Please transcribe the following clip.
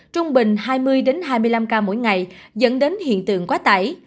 trung bình hai mươi hai mươi năm ca mỗi ngày dẫn đến hiện tượng quá tải